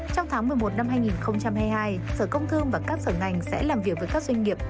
trong tháng một mươi một năm hai nghìn hai mươi hai sở công thương và các sở ngành sẽ làm việc với các doanh nghiệp